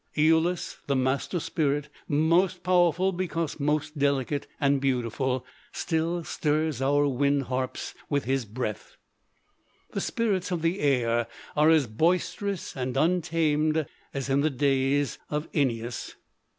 Æolus, the master spirit, most powerful because most delicate and beautiful, still stirs our wind harps with his breath. The spirits of the air are as boisterous and untamed as in the days of Æneas.